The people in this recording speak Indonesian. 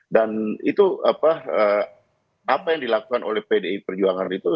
itu apa yang dilakukan oleh pdi perjuangan itu